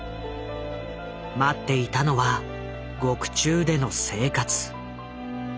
待っていたのは獄中での生活。